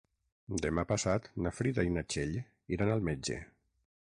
Demà passat na Frida i na Txell iran al metge.